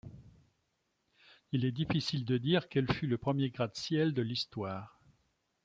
Il est difficile de dire quel fut le premier gratte-ciel de l’Histoire.